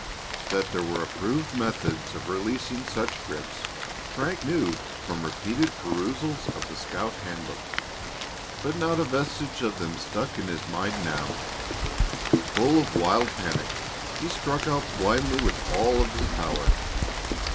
That there were approved methods of releasing such grips Frank knew from repeated perusals of the scout handbook, but not a vestige of them stuck in his mind now. Full of wild panic, he struck out blindly with all his power.